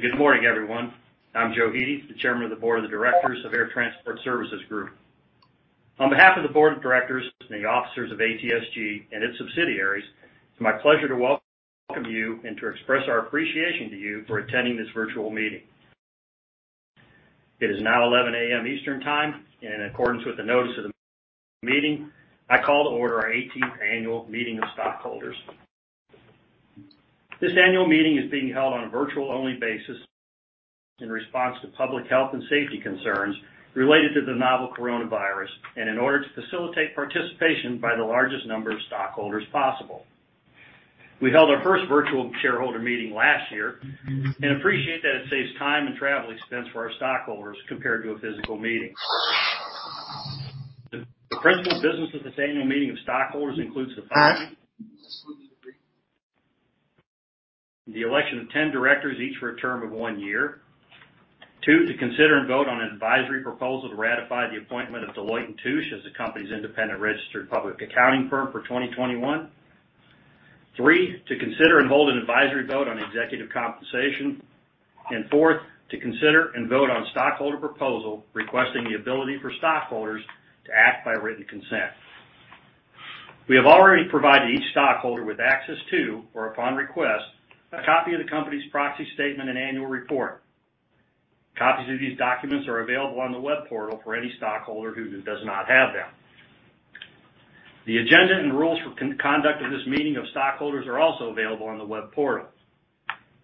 Good morning, everyone. I'm Joe Hete, the Chairman of the Board of Directors of Air Transport Services Group. On behalf of the board of directors and the officers of ATSG and its subsidiaries, it's my pleasure to welcome you and to express our appreciation to you for attending this virtual meeting. It is now 11:00 A.M. Eastern Time, and in accordance with the notice of this meeting, I call to order our 18th annual meeting of stockholders. This annual meeting is being held on a virtual-only basis in response to public health and safety concerns related to the novel coronavirus, and in order to facilitate participation by the largest number of stockholders possible. We held our first virtual shareholder meeting last year and appreciate that it saves time and travel expense for our stockholders compared to a physical meeting. The principal business at this annual meeting of stockholders includes the following: The election of 10 directors, each for a term of one year. Two, to consider and vote on an advisory proposal to ratify the appointment of Deloitte & Touche as the company's independent registered public accounting firm for 2021. Three, to consider and hold an advisory vote on executive compensation. Fourth, to consider and vote on stockholder proposal requesting the ability for stockholders to act by written consent. We have already provided each stockholder with access to, or upon request, a copy of the company's proxy statement and annual report. Copies of these documents are available on the web portal for any stockholder who does not have them. The agenda and rules for conduct of this meeting of stockholders are also available on the web portal.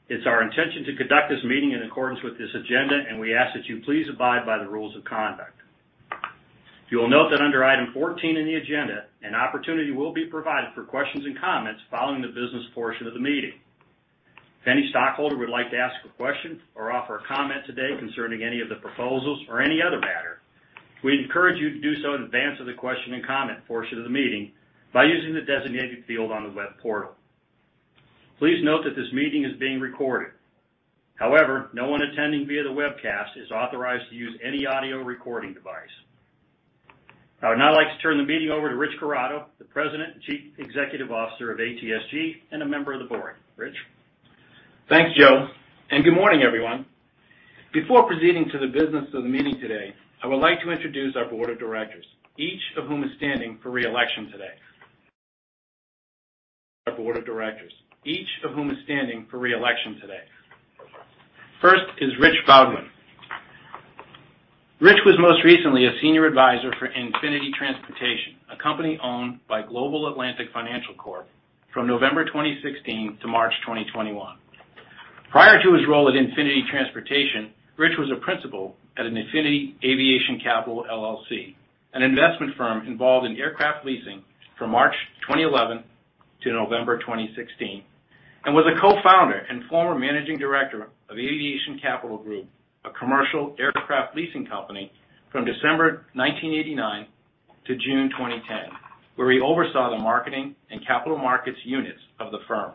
It's our intention to conduct this meeting in accordance with this agenda, and we ask that you please abide by the rules of conduct. You'll note that under item 14 in the agenda, an opportunity will be provided for questions and comments following the business portion of the meeting. If any stockholder would like to ask a question or offer a comment today concerning any of the proposals or any other matter, we encourage you to do so in advance of the question and comment portion of the meeting by using the designated field on the web portal. Please note that this meeting is being recorded. However, no one attending via the webcast is authorized to use any audio recording device. I would now like to turn the meeting over to Rich Corrado, the President and Chief Executive Officer of ATSG and a member of the Board. Rich? Thanks, Joe, and good morning, everyone. Before proceeding to the business of the meeting today, I would like to introduce our board of directors, each of whom is standing for re-election today. First is Richard M. Baudouin. Rich was most recently a senior advisor for Infinity Transportation, a company owned by Global Atlantic Financial Corp from November 2016 to March 2021. Prior to his role at Infinity Transportation, Rich was a principal at Infinity Aviation Capital LLC, an investment firm involved in aircraft leasing from March 2011 to November 2016, and was a co-founder and former managing director of Aviation Capital Group, a commercial aircraft leasing company from December 1989 to June 2010, where he oversaw the marketing and capital markets units of the firm.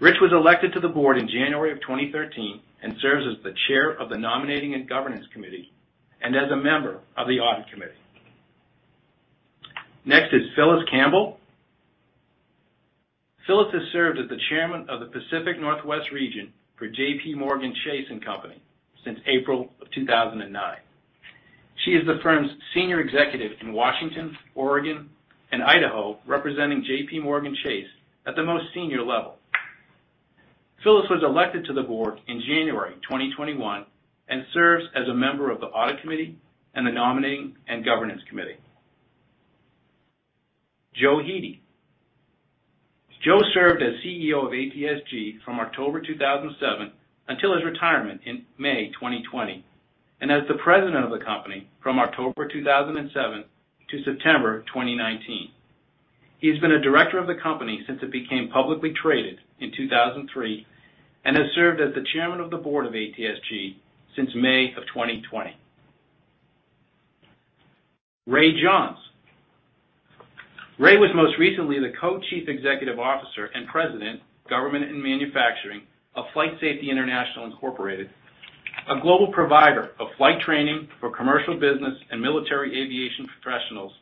Rich was elected to the board in January of 2013 and serves as the chair of the Nominating and Governance Committee and as a member of the Audit Committee. Next is Phyllis Campbell. Phyllis has served as the chairman of the Pacific Northwest region for JPMorgan Chase & Co. since April of 2009. She is the firm's senior executive in Washington, Oregon, and Idaho, representing JPMorgan Chase at the most senior level. Phyllis was elected to the board in January 2021 and serves as a member of the Audit Committee and the Nominating and Governance Committee. Joe Hete. Joe served as CEO of ATSG from October 2007 until his retirement in May 2020 and as the president of the company from October 2007 to September 2019. He has been a Director of the company since it became publicly traded in 2003 and has served as the Chairman of the Board of ATSG since May of 2020. Ray Johns. Ray was most recently the Co-Chief Executive Officer and President, Government and Manufacturing of FlightSafety International Incorporated, a global provider of flight training for commercial business and military aviation professionals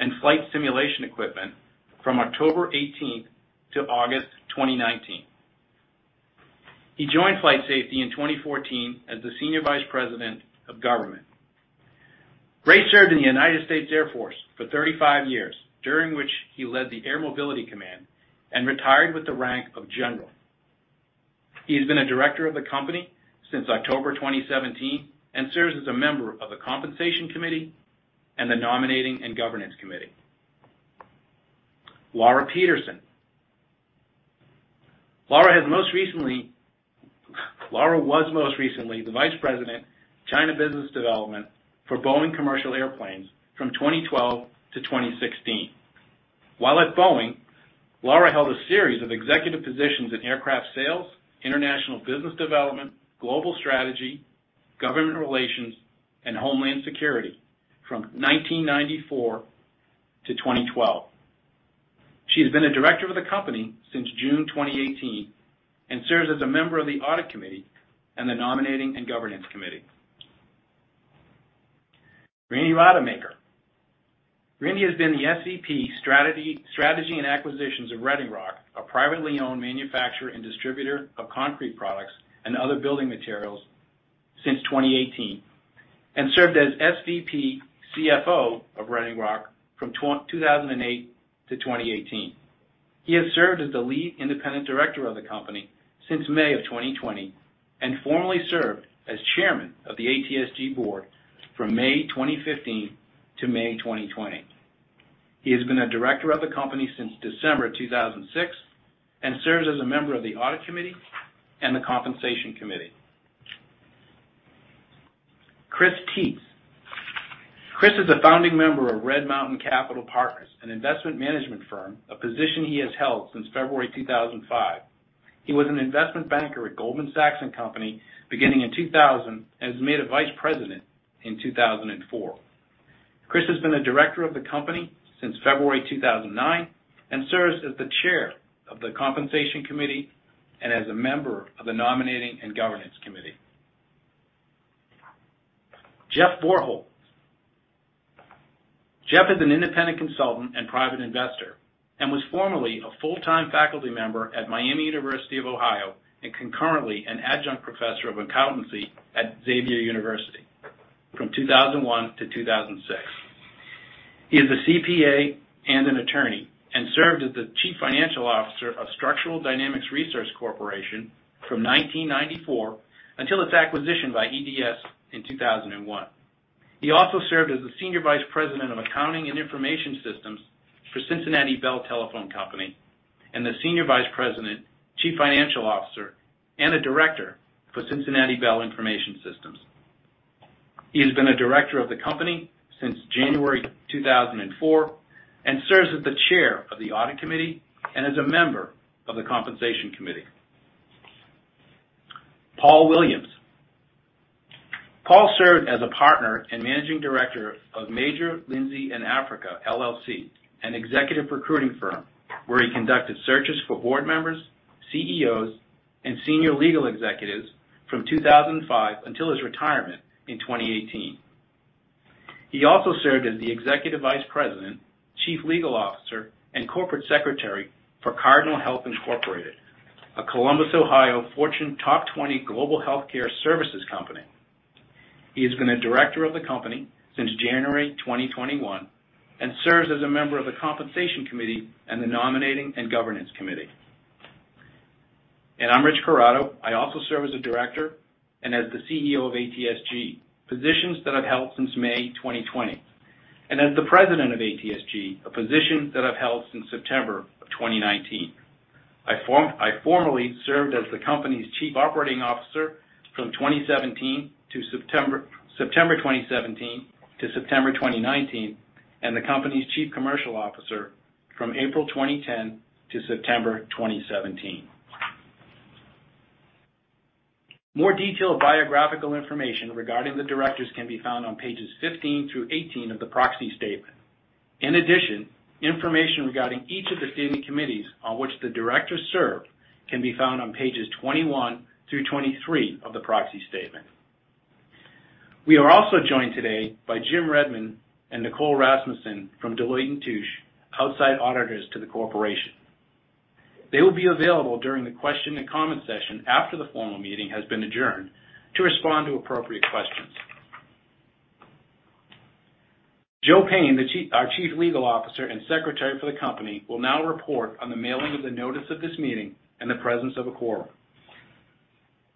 and flight simulation equipment from October 2018 to August 2019. He joined FlightSafety in 2014 as the Senior Vice President of Government. Ray served in the United States Air Force for 35 years, during which he led the Air Mobility Command and retired with the rank of general. He has been a Director of the company since October 2017 and serves as a member of the Compensation Committee and the Nominating and Governance Committee. Laura Peterson. Laura was most recently the Vice President, China Business Development for Boeing Commercial Airplanes from 2012 to 2016. While at Boeing, Laura held a series of executive positions in aircraft sales, international business development, global strategy, government relations, and homeland security from 1994 to 2012. She has been a Director of the company since June 2018 and serves as a member of the Audit Committee and the Nominating and Governance Committee. Randy D. Rademacher. Randy has been the SVP Strategy and Acquisitions of Reading Rock, a privately owned manufacturer and distributor of concrete products and other building materials since 2018, and served as SVP CFO of Reading Rock from 2008 to 2018. He has served as the Lead Independent Director of the company since May of 2020 and formerly served as Chairman of the ATSG Board from May 2015 to May 2020. He has been a director of the company since December 2006 and serves as a member of the audit committee and the compensation committee. Chris Teets. Chris is a founding member of Red Mountain Capital Partners, an investment management firm, a position he has held since February 2005. He was an investment banker at Goldman, Sachs & Co. beginning in 2000 and was made a vice president in 2004. Chris has been a director of the company since February 2009 and serves as the chair of the compensation committee and as a member of the nominating and governance committee. Jeff Vorholt. Jeff is an independent consultant and private investor and was formerly a full-time faculty member at Miami University and concurrently an adjunct professor of accountancy at Xavier University from 2001 to 2006. He is a CPA and an attorney and served as the chief financial officer of Structural Dynamics Research Corporation from 1994 until its acquisition by EDS in 2001. He also served as the senior vice president of accounting and information systems for Cincinnati Bell Telephone Company and the senior vice president, chief financial officer, and a director for Cincinnati Bell Information Systems. He has been a director of the company since January 2004 and serves as the chair of the audit committee and as a member of the compensation committee. Paul S. Williams. Paul served as a partner and managing director of Major, Lindsey & Africa, LLC, an executive recruiting firm where he conducted searches for board members, CEOs, and senior legal executives from 2005 until his retirement in 2018. He also served as the Executive Vice President, Chief Legal Officer, and Corporate Secretary for Cardinal Health, Inc., a Columbus, Ohio Fortune top 20 global healthcare services company. He has been a Director of the company since January 2021 and serves as a member of the compensation committee and the nominating and governance committee. I'm Rich Corrado. I also serve as a Director and as the CEO of ATSG, positions that I've held since May 2020, and as the President of ATSG, a position that I've held since September 2019. I formerly served as the company's Chief Operating Officer from September 2017 to September 2019, and the company's Chief Commercial Officer from April 2010 to September 2017. More detailed biographical information regarding the Directors can be found on pages 15 through 18 of the proxy statement. In addition, information regarding each of the standing committees on which the directors serve can be found on pages 21 through 23 of the proxy statement. We are also joined today by Jim Redmond and Nicole Rasmussen from Deloitte & Touche, outside auditors to the corporation. They will be available during the question and comment session after the formal meeting has been adjourned to respond to appropriate questions. Joe Payne, our Chief Legal Officer and Secretary for the company, will now report on the mailing of the notice of this meeting and the presence of a quorum.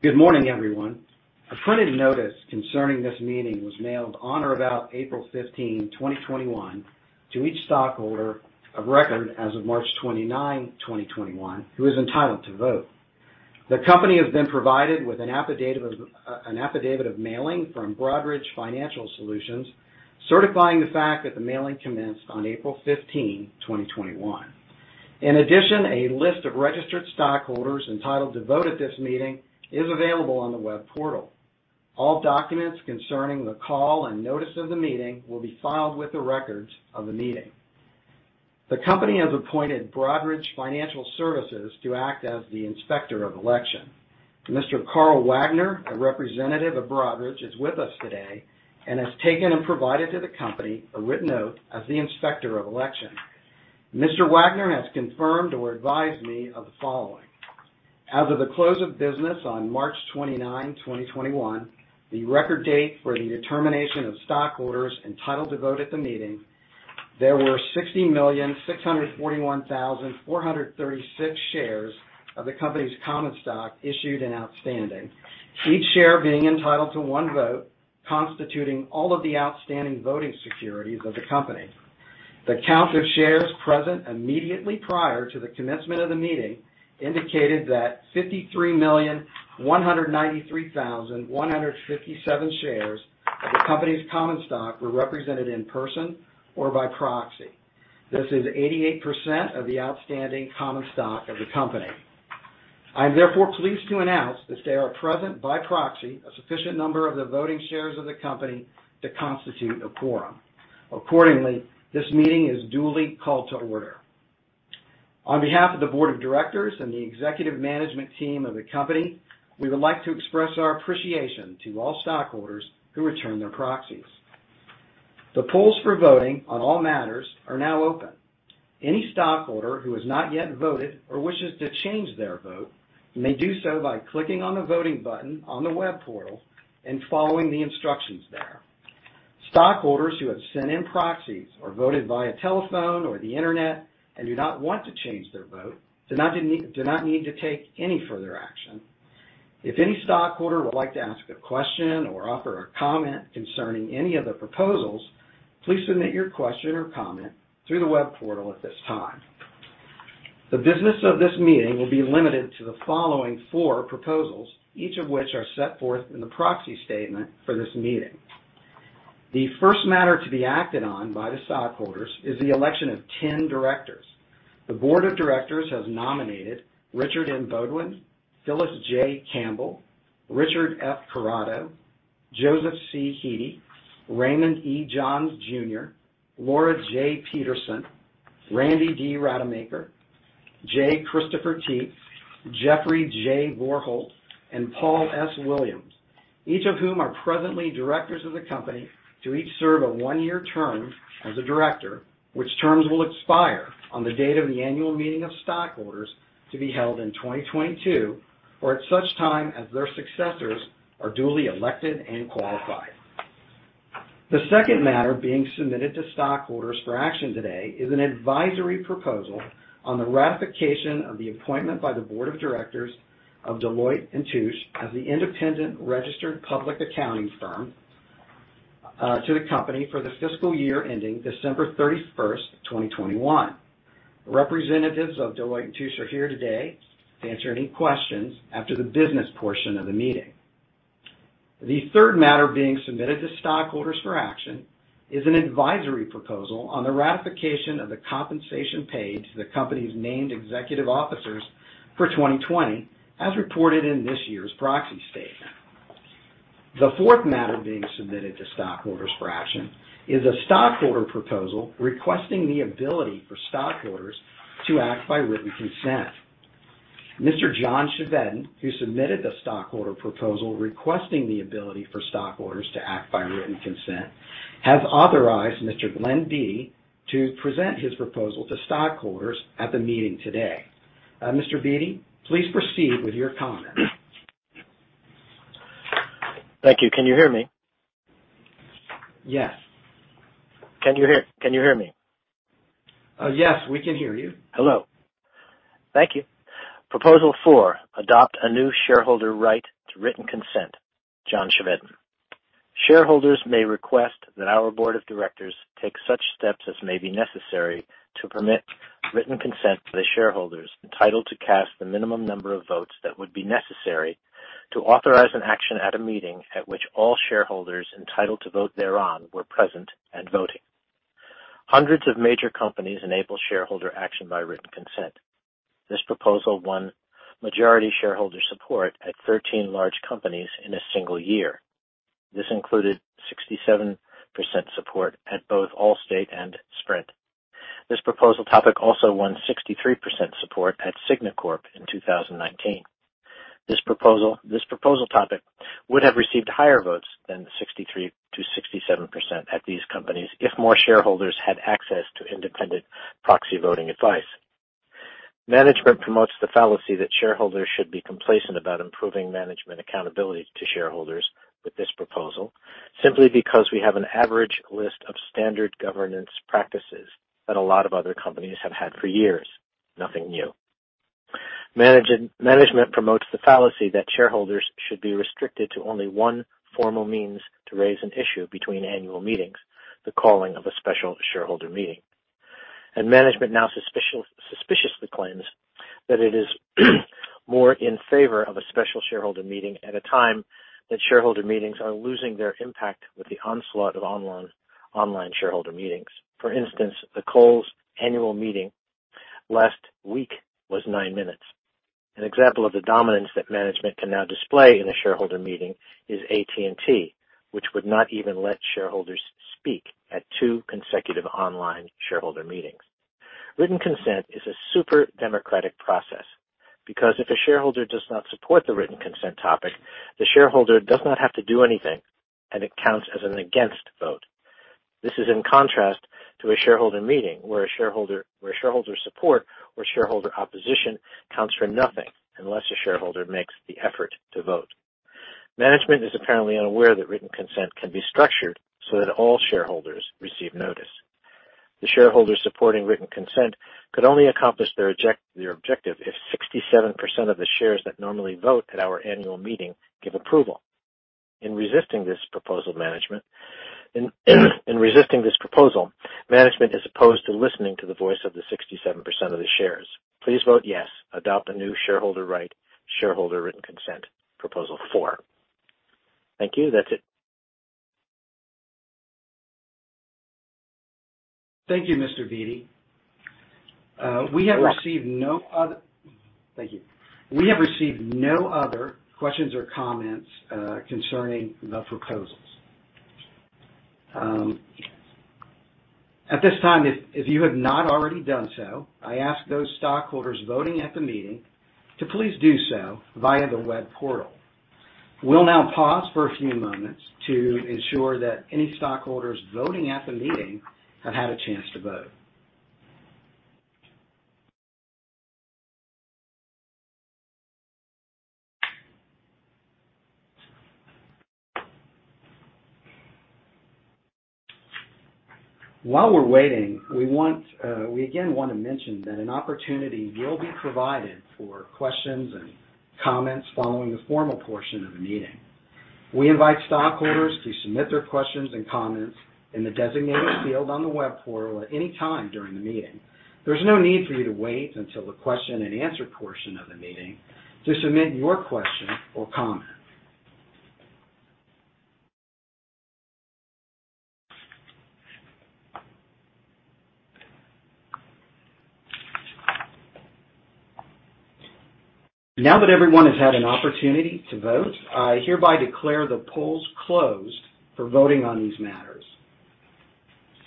Good morning, everyone. A printed notice concerning this meeting was mailed on or about April 15, 2021, to each stockholder of record as of March 29, 2021, who is entitled to vote. The company has been provided with an affidavit of mailing from Broadridge Financial Solutions, certifying the fact that the mailing commenced on April 15, 2021. In addition, a list of registered stockholders entitled to vote at this meeting is available on the web portal. All documents concerning the call and notice of the meeting will be filed with the records of the meeting. The company has appointed Broadridge Financial Solutions to act as the inspector of election. Mr. Carl Wagner, a representative of Broadridge, is with us today and has taken and provided to the company a written oath as the inspector of election. Mr. Wagner has confirmed or advised me of the following. As of the close of business on March 29, 2021, the record date for the determination of stockholders entitled to vote at the meeting, there were 60,641,436 shares of the company's common stock issued and outstanding, each share being entitled to one vote, constituting all of the outstanding voting securities of the company. The count of shares present immediately prior to the commencement of the meeting indicated that 53,193,157 shares of the company's common stock were represented in person or by proxy. This is 88% of the outstanding common stock of the company. I am therefore pleased to announce that there are present by proxy a sufficient number of the voting shares of the company to constitute a quorum. Accordingly, this meeting is duly called to order. On behalf of the board of directors and the executive management team of the company, we would like to express our appreciation to all stockholders who returned their proxies. The polls for voting on all matters are now open. Any stockholder who has not yet voted or wishes to change their vote may do so by clicking on the voting button on the web portal and following the instructions there. Stockholders who have sent in proxies or voted via telephone or the internet and do not want to change their vote do not need to take any further action. If any stockholder would like to ask a question or offer a comment concerning any of the proposals, please submit your question or comment through the web portal at this time. The business of this meeting will be limited to the following four proposals, each of which are set forth in the proxy statement for this meeting. The first matter to be acted on by the stockholders is the election of 10 directors. The board of directors has nominated Richard M. Baudouin, Phyllis J. Campbell, Richard F. Corrado, Joseph C. Hete, Raymond E. Johns Jr., Laura J. Peterson, Randy D. Rademacher, J. Christopher Teets, Jeffrey J. Vorholt, and Paul S. Williams, each of whom are presently directors of the company to each serve a one-year term as a director, which terms will expire on the date of the annual meeting of stockholders to be held in 2022 or at such time as their successors are duly elected and qualified. The second matter being submitted to stockholders for action today is an advisory proposal on the ratification of the appointment by the board of directors of Deloitte & Touche as the independent registered public accounting firm to the company for the fiscal year ending December 31st, 2021. Representatives of Deloitte & Touche are here today to answer any questions after the business portion of the meeting. The third matter being submitted to stockholders for action is an advisory proposal on the ratification of the compensation paid to the company's named executive officers for 2020, as reported in this year's proxy statement. The fourth matter being submitted to stockholders for action is a stockholder proposal requesting the ability for stockholders to act by written consent. Mr. John Chevedden, who submitted the stockholder proposal requesting the ability for stockholders to act by written consent, has authorized Mr. Glenn Bee to present his proposal to stockholders at the meeting today. Mr. Bee, please proceed with your comments. Thank you. Can you hear me? Yes. Can you hear me? Yes, we can hear you. Hello. Thank you. Proposal four, adopt a new shareholder right to written consent. John Chevedden. Shareholders may request that our board of directors take such steps as may be necessary to permit written consent to the shareholders entitled to cast the minimum number of votes that would be necessary to authorize an action at a meeting at which all shareholders entitled to vote thereon were present and voting. Hundreds of major companies enable shareholder action by written consent. This proposal won majority shareholder support at 13 large companies in a single year. This included 67% support at both Allstate and Sprint. This proposal topic also won 63% support at Cigna Corp in 2019. This proposal topic would have received higher votes than 63%-67% at these companies if more shareholders had access to independent proxy voting advice. Management promotes the fallacy that shareholders should be complacent about improving management accountability to shareholders with this proposal, simply because we have an average list of standard governance practices that a lot of other companies have had for years. Nothing new. Management promotes the fallacy that shareholders should be restricted to only one formal means to raise an issue between annual meetings, the calling of a special shareholder meeting. Management now suspiciously claims that it is more in favor of a special shareholder meeting at a time that shareholder meetings are losing their impact with the onslaught of online shareholder meetings. For instance, the Kohl's annual meeting last week was nine minutes. An example of the dominance that management can now display in a shareholder meeting is AT&T, which would not even let shareholders speak at two consecutive online shareholder meetings. Written consent is a super democratic process because if a shareholder does not support the written consent topic, the shareholder does not have to do anything, and it counts as an against vote. This is in contrast to a shareholder meeting, where shareholder support or shareholder opposition counts for nothing unless a shareholder makes the effort to vote. Management is apparently unaware that written consent can be structured so that all shareholders receive notice. The shareholders supporting written consent could only accomplish their objective if 67% of the shares that normally vote at our annual meeting give approval. In resisting this proposal, management is opposed to listening to the voice of the 67% of the shares. Please vote yes. Adopt a new shareholder right, shareholder written consent, proposal 4. Thank you. That's it. Thank you, Mr. Bee. We have received no other- Thank you. We have received no other questions or comments concerning the proposals. At this time, if you have not already done so, I ask those stockholders voting at the meeting to please do so via the web portal. We'll now pause for a few moments to ensure that any stockholders voting at the meeting have had a chance to vote. While we're waiting, we again want to mention that an opportunity will be provided for questions and comments following the formal portion of the meeting. We invite stockholders to submit their questions and comments in the designated field on the web portal at any time during the meeting. There's no need for you to wait until the question and answer portion of the meeting to submit your question or comment. Now that everyone has had an opportunity to vote, I hereby declare the polls closed for voting on these matters.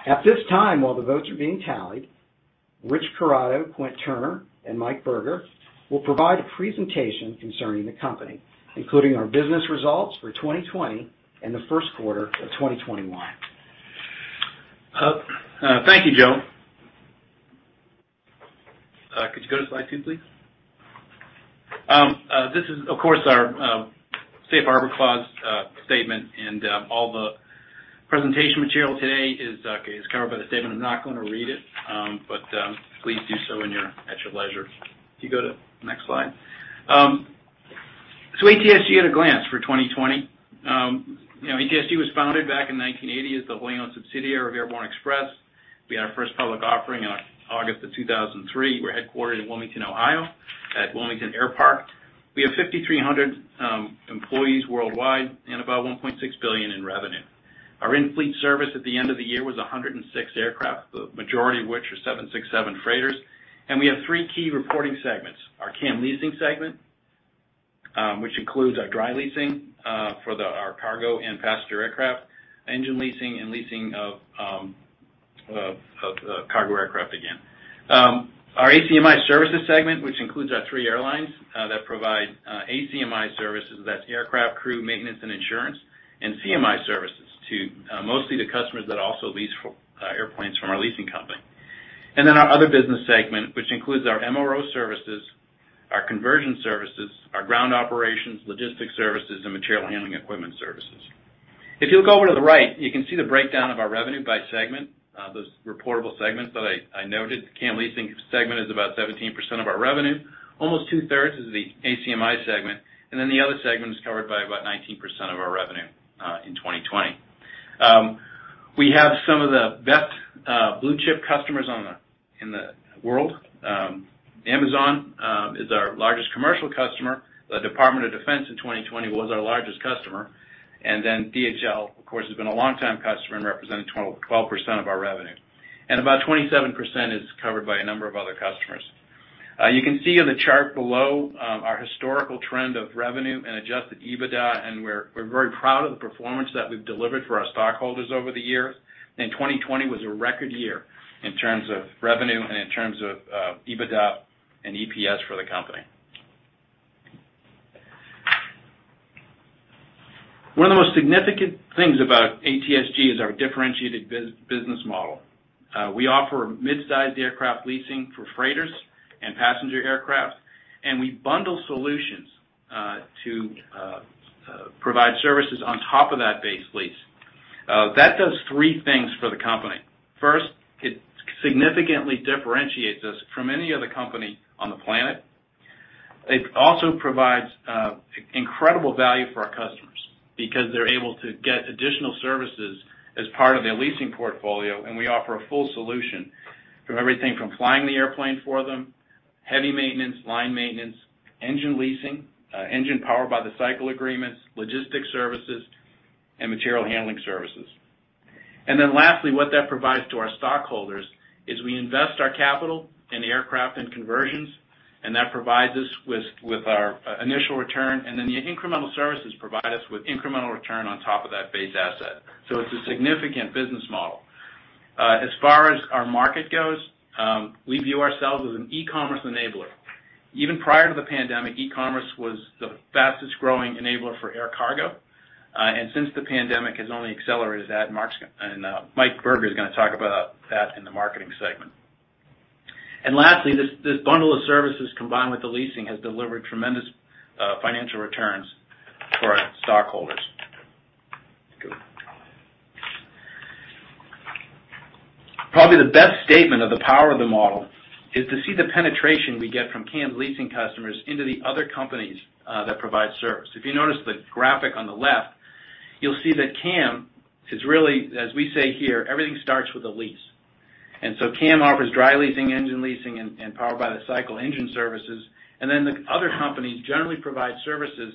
At this time, while the votes are being tallied, Rich Corrado, Quint Turner, and Mike Berger will provide a presentation concerning the company, including our business results for 2020 and the first quarter of 2021. Thank you, Joe. Could you go to slide two, please? This is, of course, our safe harbor clause statement, and all the presentation material today is covered by the statement. I'm not going to read it, but please do so at your leisure. Could you go to the next slide? ATSG at a glance for 2020. ATSG was founded back in 1980 as a wholly-owned subsidiary of Airborne Express. We had our first public offering in August of 2003. We're headquartered in Wilmington, Ohio, at Wilmington Air Park. We have 5,300 employees worldwide and about $1.6 billion in revenue. Our in-fleet service at the end of the year was 106 aircraft, the majority of which are 767 freighters. We have three key reporting segments. Our CAM leasing segment which includes our dry leasing for our cargo and passenger aircraft, engine leasing, and leasing of cargo aircraft again. Our ACMI services segment, which includes our three airlines that provide ACMI services. That's aircraft, crew, maintenance, and insurance, and CMI services, mostly to customers that also lease airplanes from our leasing company. Our other business segment, which includes our MRO services, our conversion services, our ground operations, logistics services, and material handling equipment services. If you'll go over to the right, you can see the breakdown of our revenue by segment. Those reportable segments that I noted, the CAM leasing segment is about 17% of our revenue. Almost 2/3 is the ACMI segment, the other segment is covered by about 19% of our revenue in 2020. We have some of the best blue-chip customers in the world. Amazon is our largest commercial customer. The Department of Defense in 2020 was our largest customer. DHL, of course, has been a long-time customer and represents 12% of our revenue. About 27% is covered by a number of other customers. You can see in the chart below our historical trend of revenue and Adjusted EBITDA, and we're very proud of the performance that we've delivered for our stockholders over the years. 2020 was a record year in terms of revenue and in terms of EBITDA and EPS for the company. One of the most significant things about ATSG is our differentiated business model. We offer mid-sized aircraft leasing for freighters and passenger aircraft, and we bundle solutions to provide services on top of that base lease. That does three things for the company. First, it significantly differentiates us from any other company on the planet. It also provides incredible value for our customers because they're able to get additional services as part of their leasing portfolio, and we offer a full solution for everything from flying the airplane for them, heavy maintenance, line maintenance, engine leasing, engine power by the cycle agreements, logistics services, and material handling services. Lastly, what that provides to our stockholders is we invest our capital in aircraft and conversions, and that provides us with our initial return, and then the incremental services provide us with incremental return on top of that base asset. It's a significant business model. As far as our market goes, we view ourselves as an e-commerce enabler. Even prior to the pandemic, e-commerce was the fastest-growing enabler for air cargo, and since the pandemic, it has only accelerated that. Mike Berger is going to talk about that in the marketing segment. Lastly, this bundle of services combined with the leasing has delivered tremendous financial returns for our stockholders. Could you go to the next slide? Probably the best statement of the power of the model is to see the penetration we get from CAM leasing customers into the other companies that provide service. If you notice the graphic on the left, you'll see that CAM is really, as we say here, everything starts with a lease. CAM offers dry leasing, engine leasing, and power-by-the-cycle engine services. The other companies generally provide services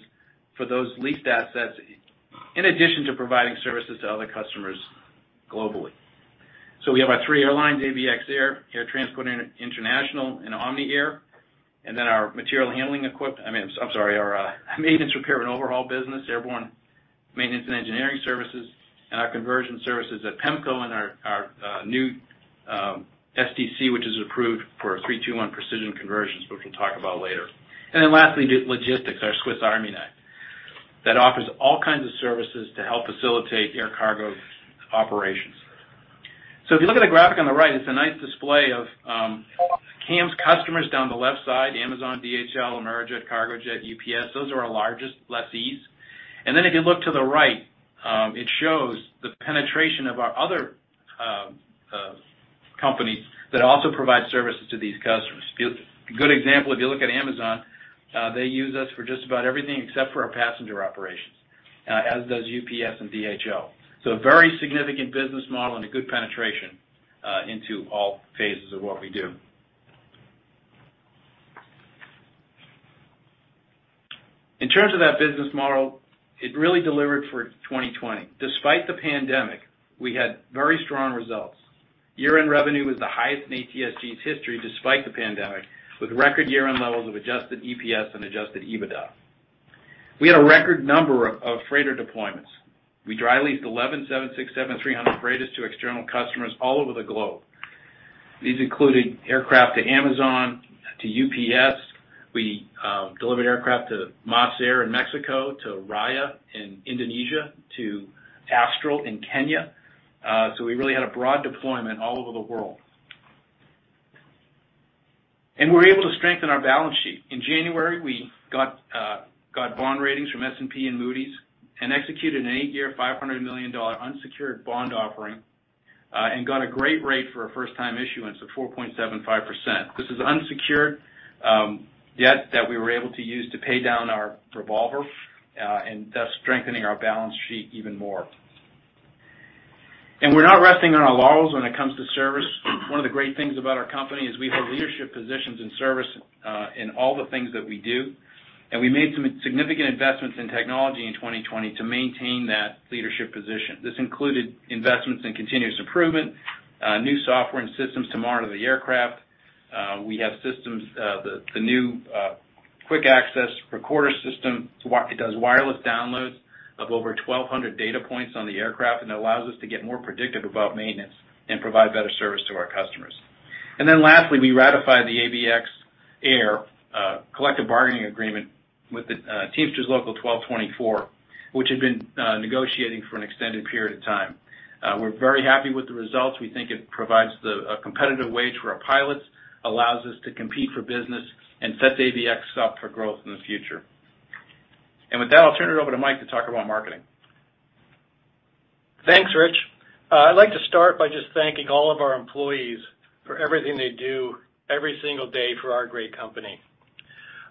for those leased assets in addition to providing services to other customers globally. We have our three airlines, ABX Air, Air Transport International, and Omni Air. Our maintenance repair and overhaul business, Airborne Maintenance and Engineering Services, and our conversion services at Pemco and our new STC, which is approved for 321 Precision Conversions, which we'll talk about later. Lastly, logistics, our Swiss Army knife that offers all kinds of services to help facilitate air cargo operations. If you look at the graphic on the right, it's a nice display of CAM's customers down the left side, Amazon, DHL, Amerijet, Cargojet, UPS. Those are our largest lessees. If you look to the right, it shows the penetration of our other companies that also provide services to these customers. A good example, if you look at Amazon, they use us for just about everything except for our passenger operations, as does UPS and DHL. A very significant business model and good penetration into all phases of what we do. In terms of that business model, it really delivered for 2020. Despite the pandemic, we had very strong results. Year-end revenue was the highest in ATSG's history, despite the pandemic, with record year-end levels of Adjusted EPS and Adjusted EBITDA. We had a record number of freighter deployments. We dry leased 11 767-300 freighters to external customers all over the globe. These included aircraft to Amazon, to UPS. We delivered aircraft to mas in Mexico, to Raya in Indonesia, to Astral in Kenya. We really had a broad deployment all over the world. We were able to strengthen our balance sheet. In January, we got bond ratings from S&P and Moody's and executed an eight-year, $500 million unsecured bond offering and got a great rate for a first-time issuance of 4.75%. This is unsecured debt that we were able to use to pay down our revolver and thus strengthening our balance sheet even more. We're not resting on our laurels when it comes to service. One of the great things about our company is we hold leadership positions in service in all the things that we do, and we made some significant investments in technology in 2020 to maintain that leadership position. This included investments in continuous improvement, new software and systems to monitor the aircraft. We have systems, the new Quick Access Recorder system. It does wireless downloads of over 1,200 data points on the aircraft and allows us to get more predictive about maintenance and provide better service to our customers. Lastly, we ratify the ABX Air collective bargaining agreement with Teamsters Local 1224, which had been negotiating for an extended period of time. We're very happy with the results. We think it provides a competitive wage for our pilots, allows us to compete for business, and sets ABX up for growth in the future. With that, I'll turn it over to Mike to talk about marketing. Thanks, Rich. I'd like to start by just thanking all of our employees for everything they do every single day for our great company.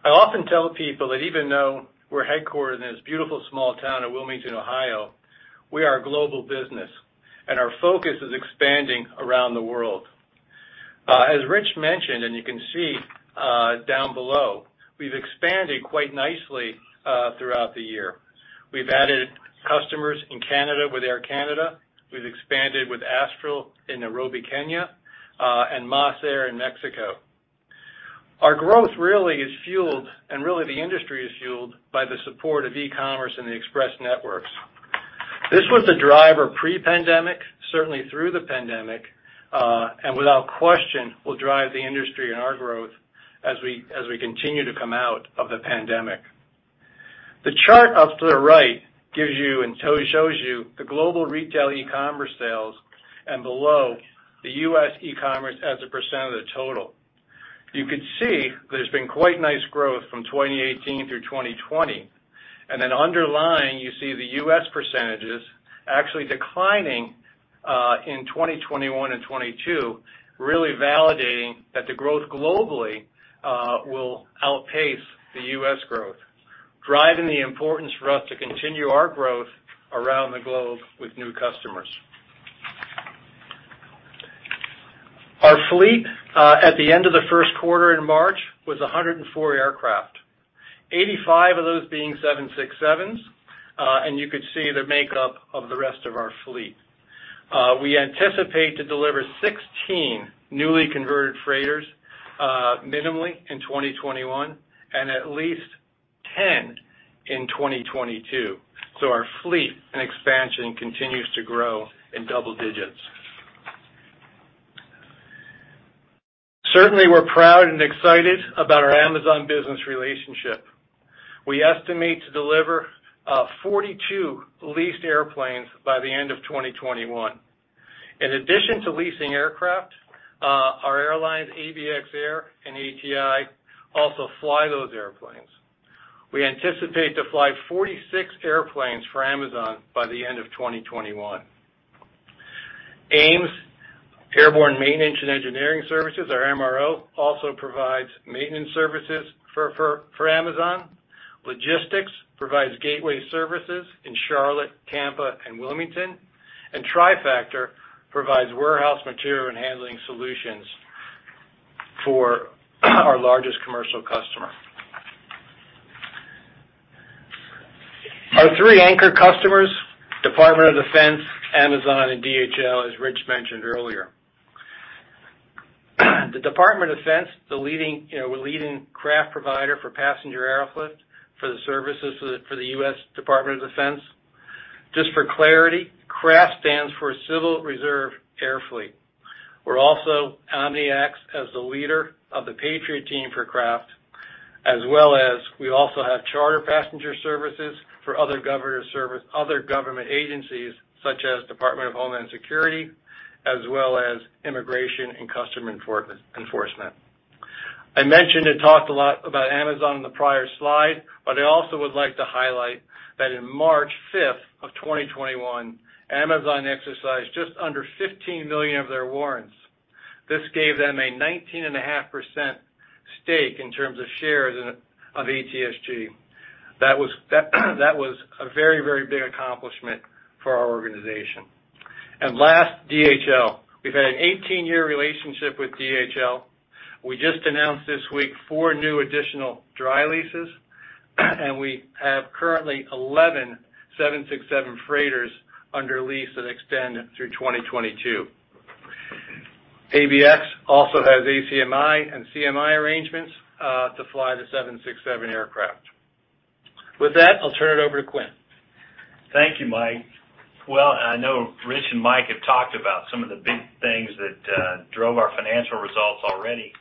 I often tell people that even though we're headquartered in this beautiful small town of Wilmington, Ohio, we are a global business, and our focus is expanding around the world. As Rich mentioned, and you can see down below, we've expanded quite nicely throughout the year. We've added customers in Canada with Air Canada. We've expanded with Astral in Nairobi, Kenya, and mas in Mexico. Our growth really is fueled, and really the industry is fueled by the support of e-commerce and the express networks. This was a driver pre-pandemic, certainly through the pandemic, and without question, will drive the industry and our growth as we continue to come out of the pandemic. The chart up to the right gives you and shows you the global retail e-commerce sales and below, the U.S. e-commerce as a percentage of the total. You can see there's been quite nice growth from 2018 through 2020. Underlying, you see the U.S. percentage actually declining in 2021 and 2022, really validating that the growth globally will outpace the U.S. growth, driving the importance for us to continue our growth around the globe with new customers. Our fleet at the end of the first quarter in March was 104 aircraft, 85 of those being 767s, and you can see the makeup of the rest of our fleet. We anticipate to deliver 16 newly converted freighters minimally in 2021 and at least 10 in 2022. Our fleet and expansion continues to grow in double digits. Certainly, we're proud and excited about our Amazon business relationship. We estimate to deliver 42 leased airplanes by the end of 2021. In addition to leasing aircraft, our airlines, ABX Air and ATI, also fly those airplanes. We anticipate to fly 46 airplanes for Amazon by the end of 2021. AMES, Airborne Maintenance and Engineering Services, our MRO, also provides maintenance services for Amazon. Logistics provides gateway services in Charlotte, Tampa, and Wilmington, and TriFactor provides warehouse material and handling solutions for our largest commercial customer. Our three anchor customers, Department of Defense, Amazon, and DHL, as Rich mentioned earlier. The Department of Defense, we're the leading CRAF provider for passenger airlift for the services for the U.S. Department of Defense. Just for clarity, CRAF stands for Civil Reserve Air Fleet. We're also Omni acts as the leader of the Patriot Team for CRAF, as well as we also have charter passenger services for other government agencies, such as Department of Homeland Security, as well as Immigration and Customs Enforcement. I mentioned and talked a lot about Amazon on the prior slide, but I also would like to highlight that on March 5, 2021, Amazon exercised just under 15 million of their warrants. This gave them a 19.5% stake in terms of shares of ATSG. That was a very, very big accomplishment for our organization. Last, DHL. We've had an 18-year relationship with DHL. We just announced this week four new additional dry leases, and we have currently 11 767 freighters under lease that extend through 2022. ABX also has ACMI and CMI arrangements to fly the 767 aircraft. With that, I'll turn it over to Quint. Thank you, Mike. Well, I know Rich and Mike have talked about some of the big things that drove our financial results already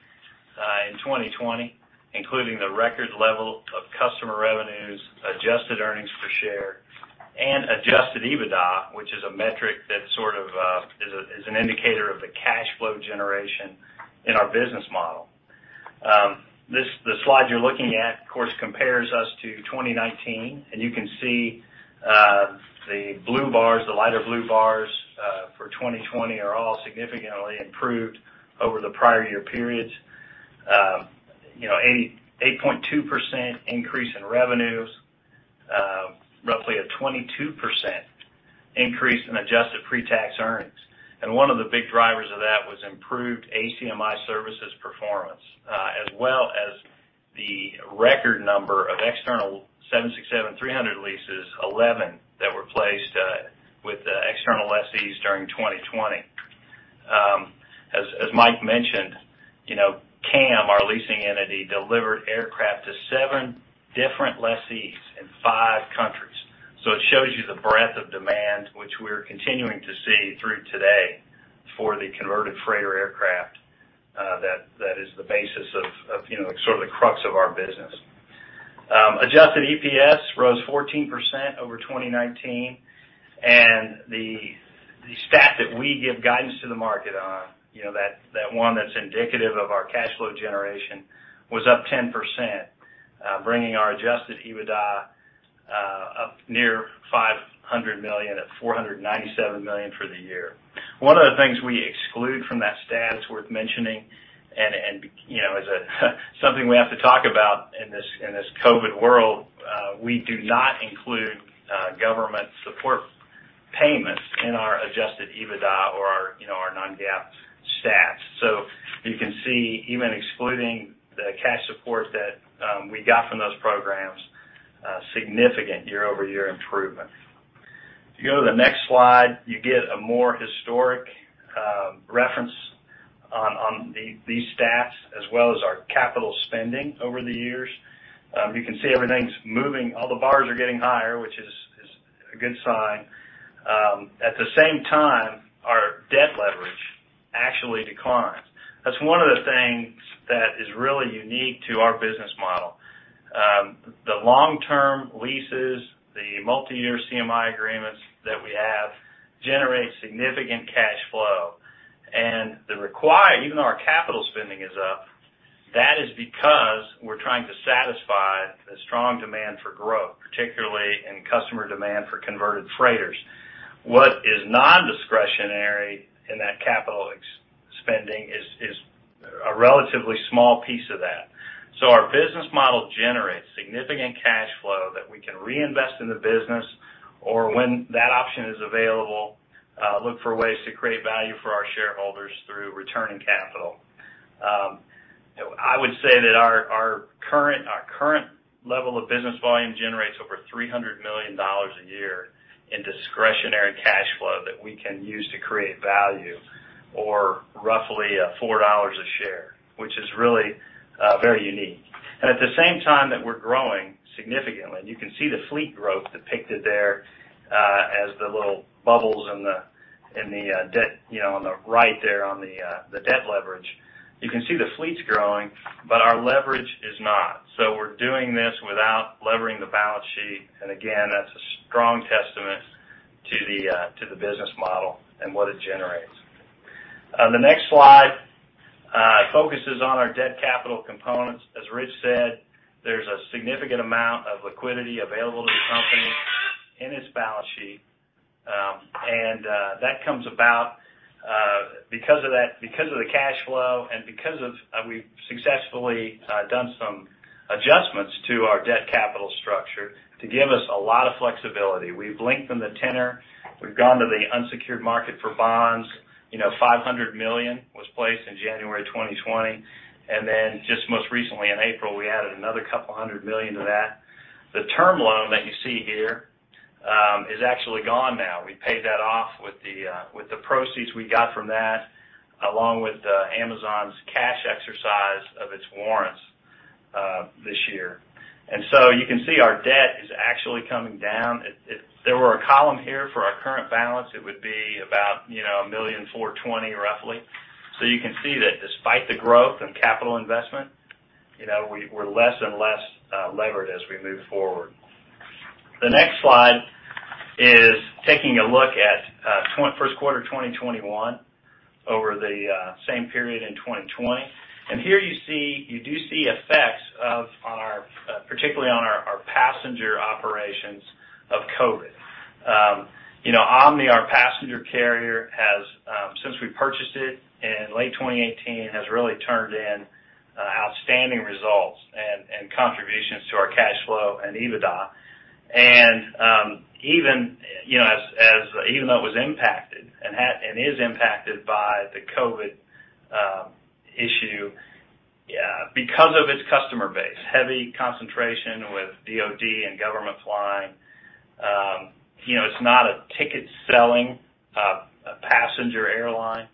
in 2020, including the record level of customer revenues, adjusted earnings per share, and adjusted EBITDA, which is a metric that sort of is an indicator of the cash flow generation in our business model. The slide you're looking at, of course, compares us to 2019. You can see the lighter blue bars for 2020 are all significantly improved over the prior year periods. 8.2% increase in revenues, roughly a 22% increase in adjusted pre-tax earnings. One of the big drivers of that was improved ACMI services performance, as well as the record number of external 767-300 leases, 11 that were placed with the external lessees during 2020. As Mike mentioned, CAM, our leasing entity, delivered aircraft to seven different lessees in five countries. It shows you the breadth of demand, which we are continuing to see through today for the converted freighter aircraft. That is the basis of sort of the crux of our business. Adjusted EPS rose 14% over 2019, and the stat that we give guidance to the market on, that one that's indicative of our cash flow generation, was up 10%, bringing our adjusted EBITDA up near $500 million, at $497 million for the year. One of the things we exclude from that stat that's worth mentioning, and is something we have to talk about in this COVID world, we do not include government support payments in our adjusted EBITDA or our non-GAAP stats. You can see, even excluding the cash support that we got from those programs, significant year-over-year improvement. If you go to the next slide, you get a more historic reference on these stats as well as our capital spending over the years. You can see everything's moving. All the bars are getting higher, which is a good sign. At the same time, our debt leverage actually declines. That's one of the things that is really unique to our business model. The long-term leases, the multi-year CMI agreements that we have generate significant cash flow. The required, even our capital spending is up. That is because we're trying to satisfy a strong demand for growth, particularly in customer demand for converted freighters. What is nondiscretionary in that capital spending is a relatively small piece of that. Our business model generates significant cash flow that we can reinvest in the business or when that option is available, look for ways to create value for our shareholders through returning capital. I would say that our current level of business volume generates over $300 million a year in discretionary cash flow that we can use to create value or roughly $4 a share, which is really very unique. At the same time that we're growing significantly, you can see the fleet growth depicted there as the little bubbles on the right there on the debt leverage. You can see the fleet's growing, but our leverage is not. We're doing this without levering the balance sheet, and again, that's a strong testament to the business model and what it generates. The next slide focuses on our debt capital components. As Rich said, there's a significant amount of liquidity available to the company in its balance sheet, and that comes about because of the cash flow and because we've successfully done some adjustments to our debt capital structure to give us a lot of flexibility. We've lengthened the tenor. We've gone to the unsecured market for bonds. $500 million was placed in January 2020, and then just most recently in April, we added another couple hundred million dollars to that. The term loan that you see here is actually gone now. We paid that off with the proceeds we got from that, along with Amazon's cash exercise of its warrants this year. You can see our debt is actually coming down. If there were a column here for our current balance, it would be about $1.42 billion roughly. You can see that despite the growth and capital investment, we're less and less levered as we move forward. The next slide is taking a look at first quarter 2021 over the same period in 2020. Here you do see effects, particularly on our passenger operations of COVID. Omni, our passenger carrier, since we purchased it in late 2018, has really turned in outstanding results and contributions to our cash flow and EBITDA. Even though it was impacted and is impacted by the COVID issue, because of its customer base, heavy concentration with DOD and government flying, it's not a ticket-selling passenger airline.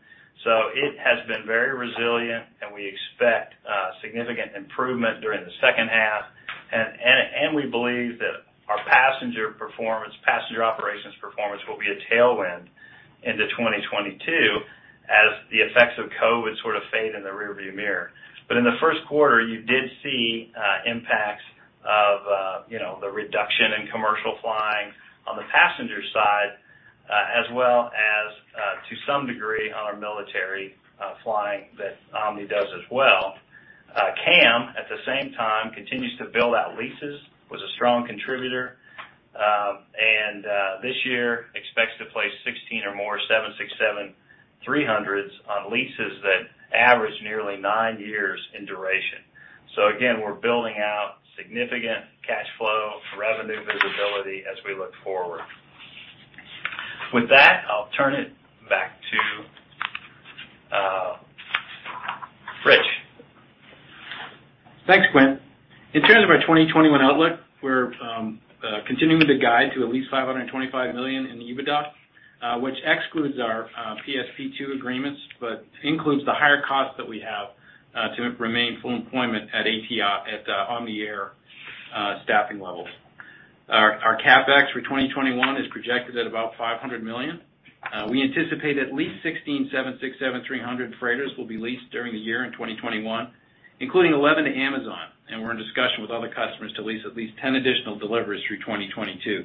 It has been very resilient, and we expect significant improvement during the second half. We believe that our passenger operations performance will be a tailwind into 2022 as the effects of COVID sort of fade in the rear-view mirror. In the first quarter, you did see impacts of the reduction in commercial flying on the passenger side, as well as to some degree on our military flying that Omni does as well. CAM, at the same time, continues to build out leases, was a strong contributor. This year expects to place 16 or more 767-300s on leases that average nearly nine years in duration. Again, we're building out significant cash flow revenue visibility as we look forward. With that, I'll turn it back to Rich. Thanks, Quint. In terms of our 2021 outlook, we're continuing to guide to at least $525 million in EBITDA, which excludes our PSP 2 agreements, but includes the higher cost that we have to maintain full employment at ATI and ABX Air staffing levels. Our CapEx for 2021 is projected at about $500 million. We anticipate at least 16 767-300 freighters will be leased during the year in 2021, including 11 to Amazon. We're in discussion with other customers to lease at least 10 additional deliveries through 2022.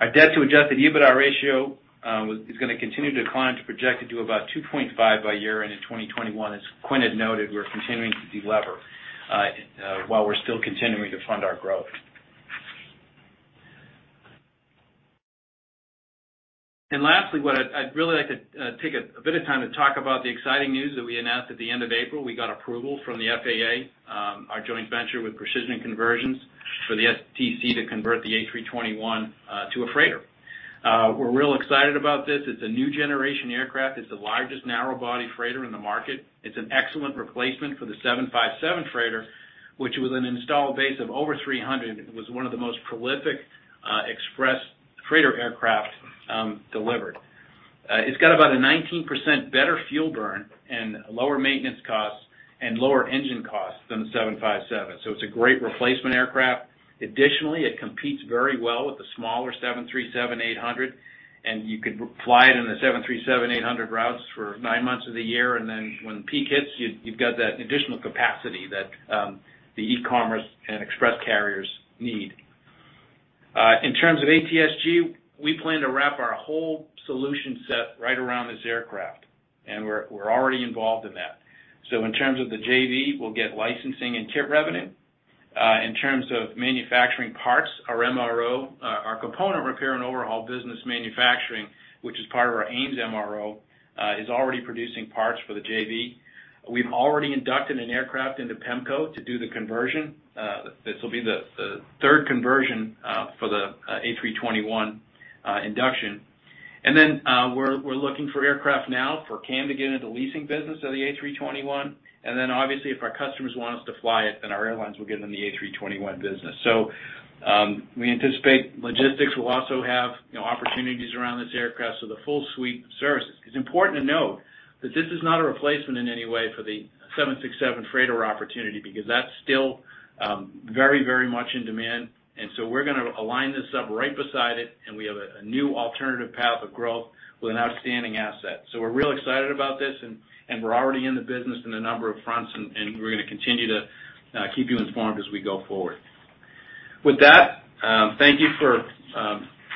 Our debt to Adjusted EBITDA ratio is going to continue to decline. It's projected to about 2.5 by year-end in 2021. As Quint had noted, we're continuing to delever while we're still continuing to fund our growth. Lastly, what I'd really like to take a bit of time to talk about the exciting news that we announced at the end of April. We got approval from the FAA, our joint venture with Precision Conversions, for the STC to convert the A321 to a freighter. We're real excited about this. It's a new generation aircraft. It's the largest narrow-body freighter in the market. It's an excellent replacement for the 757 freighter, which with an installed base of over 300, it was one of the most prolific express freighter aircraft delivered. It's got about a 19% better fuel burn and lower maintenance costs and lower engine costs than the 757. It's a great replacement aircraft. Additionally, it competes very well with the smaller Boeing 737-800. You could fly it in the Boeing 737-800 routes for nine months of the year. Then when peak hits you've got that additional capacity that the e-commerce and express carriers need. In terms of ATSG, we plan to wrap our whole solution set right around this aircraft. We're already involved in that. In terms of the JV, we'll get licensing and kit revenue. In terms of manufacturing parts, our MRO, our component repair and overhaul business manufacturing, which is part of our AMES MRO, is already producing parts for the JV. We've already inducted an aircraft into Pemco to do the conversion. This will be the third conversion for the A321 induction. Then we're looking for aircraft now for CAM to get into the leasing business of the A321. Then obviously, if our customers want us to fly it, then our airlines will give them the A321 business. We anticipate logistics will also have opportunities around this aircraft, so the full suite of services. It's important to note that this is not a replacement in any way for the 767 freighter opportunity, because that's still very much in demand. We're going to align this up right beside it, and we have a new alternative path of growth with an outstanding asset. We're real excited about this, and we're already in the business in a number of fronts, and we're going to continue to keep you informed as we go forward. With that, thank you for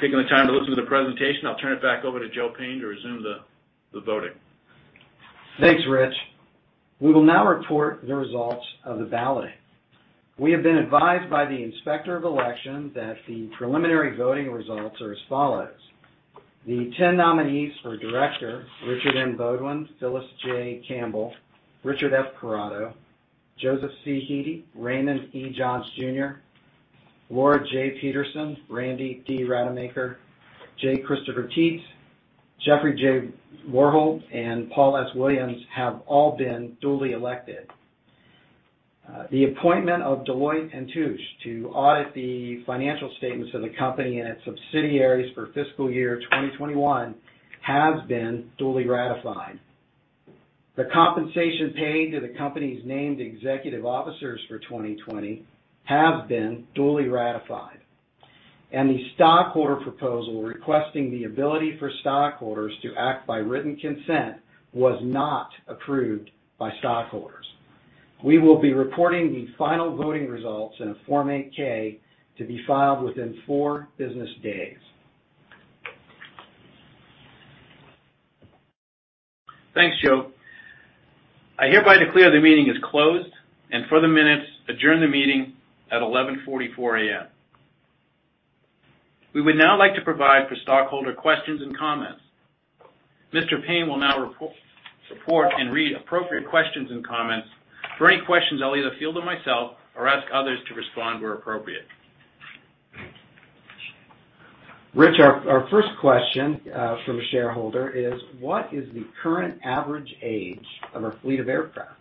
taking the time to listen to the presentation. I'll turn it back over to Joe Payne to resume the voting. Thanks, Rich. We will now report the results of the ballot. We have been advised by the Inspector of Election that the preliminary voting results are as follows. The 10 nominees for director, Richard M. Baudouin, Phyllis J. Campbell, Richard F. Corrado, Joseph C. Hete, Raymond E. Johns Jr., Laura J. Peterson, Randy D. Rademacher, J. Christopher Teets, Jeffrey J. Vorholt, and Paul S. Williams, have all been duly elected. The appointment of Deloitte & Touche to audit the financial statements of the company and its subsidiaries for fiscal year 2021 has been duly ratified. The compensation paid to the company's named executive officers for 2020 has been duly ratified. The stockholder proposal requesting the ability for stockholders to act by written consent was not approved by stockholders. We will be reporting the final voting results in a Form 8-K to be filed within four business days. Thanks, Joe. I hereby declare the meeting is closed, and for the minutes, adjourn the meeting at 11:44 A.M. We would now like to provide for stockholder questions and comments. Mr. Payne will now report and read appropriate questions and comments. For any questions, I'll either field them myself or ask others to respond where appropriate. Rich, our first question from a shareholder is, "What is the current average age of our fleet of aircraft?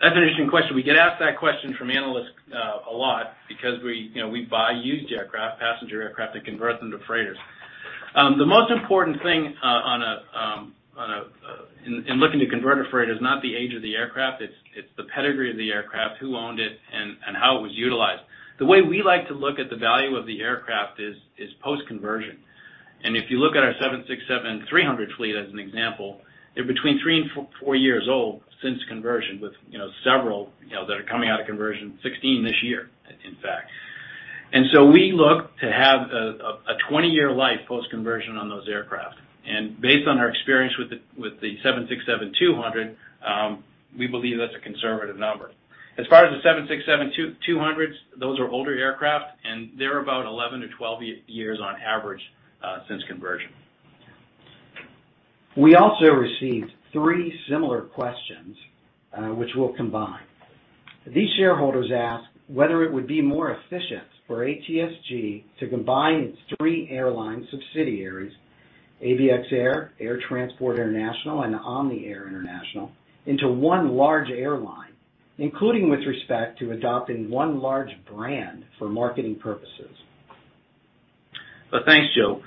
That's an interesting question. We get asked that question from analysts a lot because we buy used aircraft, passenger aircraft, and convert them to freighters. The most important thing in looking to convert a freighter is not the age of the aircraft, it's the pedigree of the aircraft, who owned it, and how it was utilized. The way we like to look at the value of the aircraft is post-conversion. If you look at our Boeing 767-300 fleet as an example, they're between three and four years old since conversion, with several that are coming out of conversion, 16 this year, in fact. We look to have a 20-year life post-conversion on those aircraft. Based on our experience with the Boeing 767-200, we believe that's a conservative number. As far as the Boeing 767-200s, those are older aircraft, and they're about 11-12 years on average since conversion. We also received three similar questions, which we'll combine. These shareholders ask whether it would be more efficient for ATSG to combine its three airline subsidiaries, ABX Air, Air Transport International, and Omni Air International, into one large airline, including with respect to adopting one large brand for marketing purposes. Thanks, Joe.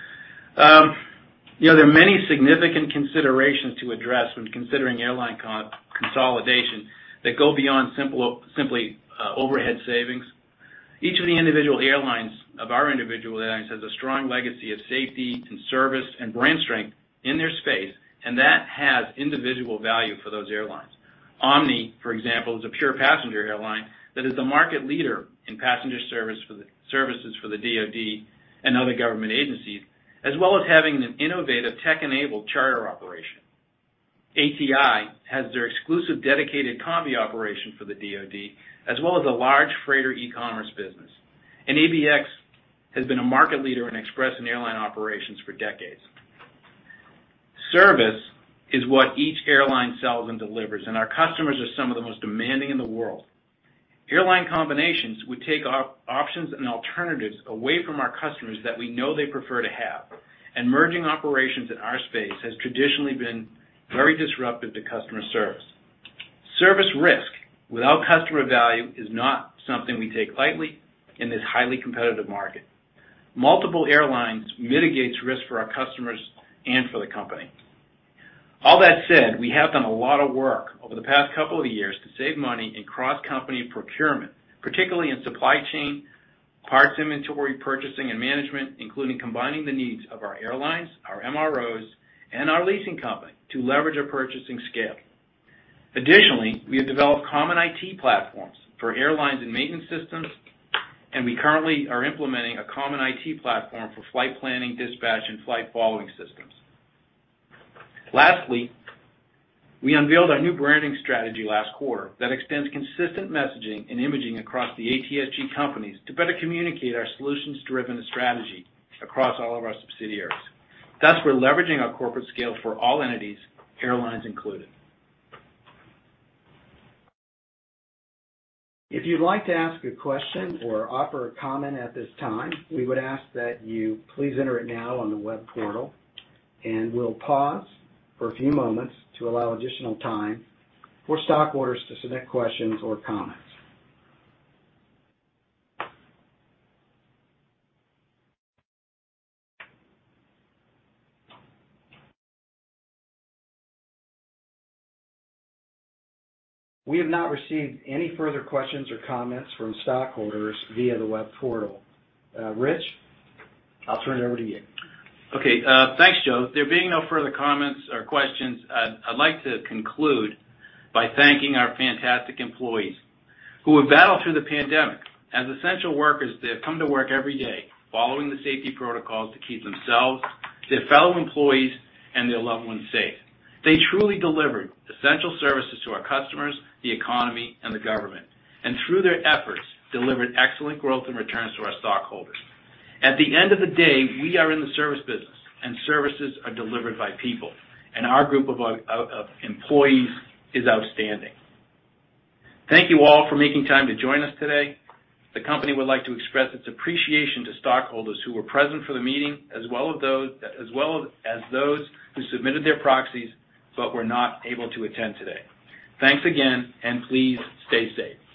There are many significant considerations to address when considering airline consolidation that go beyond simply overhead savings. Each of the individual airlines of our individual airlines has a strong legacy of safety and service and brand strength in their space, and that has individual value for those airlines. Omni, for example, is a pure passenger airline that is a market leader in passenger services for the DoD and other government agencies, as well as having an innovative tech-enabled charter operation. ATI has their exclusive dedicated combi operation for the DoD, as well as a large freighter e-commerce business. ABX has been a market leader in express and airline operations for decades. Service is what each airline sells and delivers, and our customers are some of the most demanding in the world. Airline combinations would take options and alternatives away from our customers that we know they prefer to have. Merging operations in our space has traditionally been very disruptive to customer service. Service risk without customer value is not something we take lightly in this highly competitive market. Multiple airlines mitigates risk for our customers and for the company. All that said, we have done a lot of work over the past couple of years to save money in cross-company procurement, particularly in supply chain, parts inventory purchasing and management, including combining the needs of our airlines, our MROs, and our leasing company to leverage our purchasing scale. Additionally, we have developed common IT platforms for airlines and maintenance systems, and we currently are implementing a common IT platform for flight planning, dispatch, and flight following systems. We unveiled a new branding strategy last quarter that extends consistent messaging and imaging across the ATSG companies to better communicate our solutions-driven strategy across all of our subsidiaries. Thus, we're leveraging our corporate scale for all entities, airlines included. If you'd like to ask a question or offer a comment at this time, we would ask that you please enter it now on the web portal, and we'll pause for a few moments to allow additional time for stockholders to submit questions or comments. We have not received any further questions or comments from stockholders via the web portal. Rich, I'll turn it over to you. Okay. Thanks, Joe. There being no further comments or questions, I'd like to conclude by thanking our fantastic employees who have battled through the pandemic. As essential workers, they have come to work every day following the safety protocols to keep themselves, their fellow employees, and their loved ones safe. They truly delivered essential services to our customers, the economy, and the government, and through their efforts, delivered excellent growth and returns to our stockholders. At the end of the day, we are in the service business and services are delivered by people, and our group of employees is outstanding. Thank you all for making time to join us today. The company would like to express its appreciation to stockholders who were present for the meeting, as well as those who submitted their proxies but were not able to attend today. Thanks again, and please stay safe.